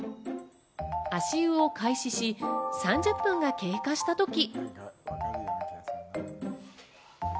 足湯を開始し、３０分が経過したとき。